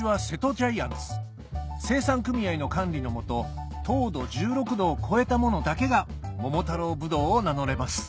ジャイアンツ生産組合の管理の下糖度１６度を超えたものだけが「桃太郎ぶどう」を名乗れます